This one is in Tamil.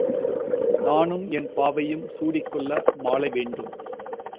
நானும் என் பாவையும் சூடிக்கொள்ள மாலை வேண்டும்.